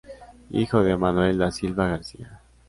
Hijo de Manuel Da Silva García.